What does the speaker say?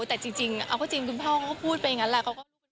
แต่จริงเอาก็จริงคุณพ่อเขาก็พูดไปอย่างนั้นแหละ